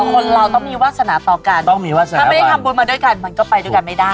อ๋อคนเราต้องมีวาสนาต่อกันถ้าไม่ได้ทำบุญมาด้วยกันมันก็ไปด้วยกันไม่ได้